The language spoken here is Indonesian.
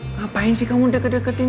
ngapain sih kamu deket deketin